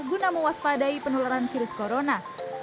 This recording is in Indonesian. guna mewaspadai penularan virus corona